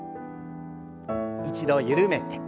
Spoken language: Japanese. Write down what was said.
一度緩めて。